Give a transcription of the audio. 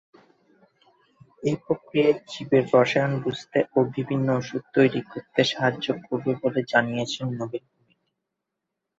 এই প্রক্রিয়া জীবের রসায়ন বুঝতে ও বিভিন্ন ওষুধ তৈরি করতে সাহায্য করবে বলে জানিয়েছে নোবেল কমিটি।